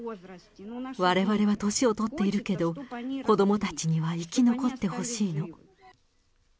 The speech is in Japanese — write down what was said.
われわれは年を取っているけど、子どもたちには生き残ってほしいの。